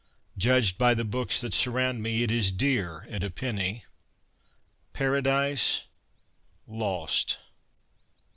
Judged by the books that surround me it is dear at a penny ... Paradise Lost